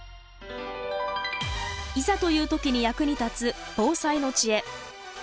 いざという時に役に立つ防災の知恵。